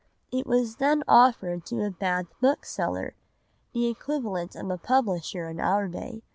It was then offered to a Bath bookseller, the equivalent of a publisher in our day.